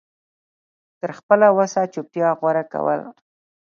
تر خپله وسه چوپتيا غوره کول